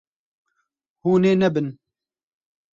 Hûn ê nebin.